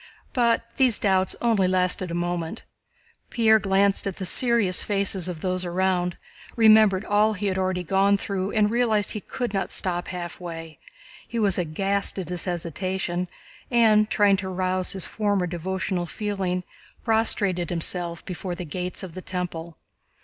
But these doubts only lasted a moment. Pierre glanced at the serious faces of those around, remembered all he had already gone through, and realized that he could not stop halfway. He was aghast at his hesitation and, trying to arouse his former devotional feeling, prostrated himself before the Gates of the Temple.